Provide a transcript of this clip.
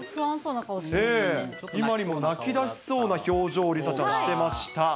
ねぇ、今にも泣きだしそうな表情を梨紗ちゃん、してました。